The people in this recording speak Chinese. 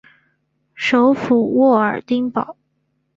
首府沃尔丁堡。